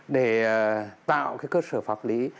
để tạo cái cơ sở pháp lý